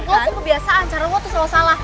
lo suka kebiasaan cara lo tuh selalu salah